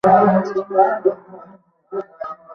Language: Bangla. শিশুরোগ বিভাগ চট্টগ্রাম মেডিকেল কলেজ হাসপাতাল